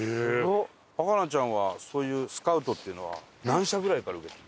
わかなちゃんはそういうスカウトっていうのは何社ぐらいから受けて。